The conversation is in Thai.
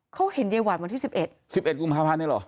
เขาเห็นเยวานวันที่สิบเอ็ดสิบเอ็ดกุมภาพันธ์นี่หรอ